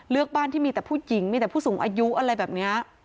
บ้านที่มีแต่ผู้หญิงมีแต่ผู้สูงอายุอะไรแบบนี้